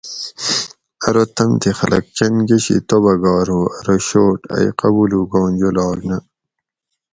ارو تمتھی خلق کۤن گۤشی توبہ گار ہو ارو شوٹ ائی قبولوگاں جولاگ نہ